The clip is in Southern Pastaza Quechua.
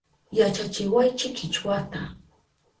Yachachiwaychi Kichwata